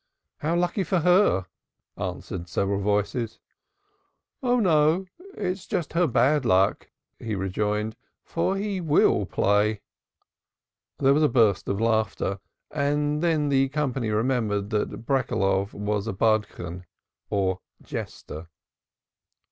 "How lucky for her," answered several voices. "No, it's just her black luck," he rejoined. "For he will play." There was a burst of laughter and then the company remembered that Breckeloff was a Badchan or jester.